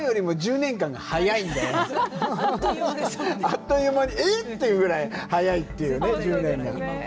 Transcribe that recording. あっという間にえ！？っていうぐらい速いっていうね１０年。